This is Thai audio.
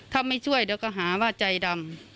ถ้าไม่ช่วยเดี๋ยวก็หาว่าใจดำ